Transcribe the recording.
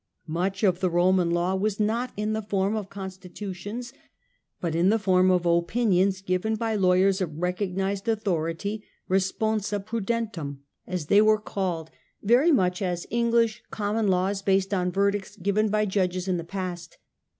Much of Roman law was not in the form of p "' institutions but in the form of opinions given by awyers of recognised authority — responsa prudentum, 60 THE DAWN OF MEDIEVAL EUROPE as they were called ; very much as English Common Law is based on verdicts given by judges in the past.